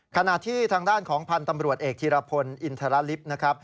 ขณะที่ทางด้านของพันธ์ตำรวจเอกธีรพลอินทรลิฟต์นะครับ